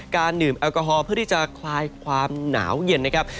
ดื่มแอลกอฮอล์เพื่อที่จะคลายความหนาวเย็นนะครับ